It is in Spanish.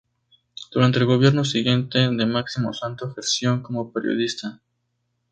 Durante el gobierno siguiente de Máximo Santos ejerció como periodista.